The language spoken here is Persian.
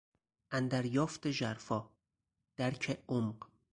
اندریافت ژرفا، درک عمق